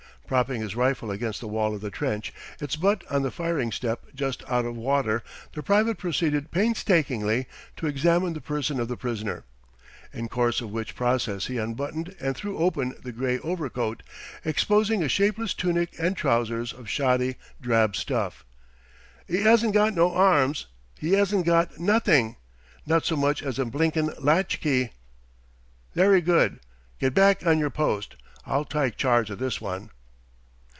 Propping his rifle against the wall of the trench, its butt on the firing step just out of water, the private proceeded painstakingly to examine the person of the prisoner; in course of which process he unbuttoned and threw open the gray overcoat, exposing a shapeless tunic and trousers of shoddy drab stuff. "'E 'asn't got no arms 'e 'asn't got nothink, not so much as 'is blinkin' latch key." "Very good. Get back on yer post. I'll tike charge o' this one."